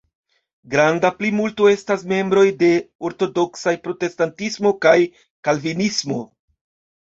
Granda plimulto estas membroj de ortodoksa protestantismo kaj kalvinismo.